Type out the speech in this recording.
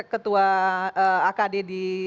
ketua akd di